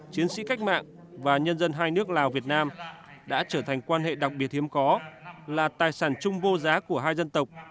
chiến sĩ cách mạng và nhân dân hai nước lào việt nam đã trở thành quan hệ đặc biệt hiếm có là tài sản chung vô giá của hai dân tộc